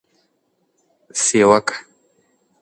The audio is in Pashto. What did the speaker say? سیوکه: